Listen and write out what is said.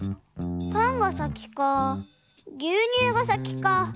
パンがさきかぎゅうにゅうがさきか。